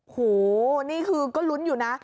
โหนี่คือก็ลุ้นอยู่นะ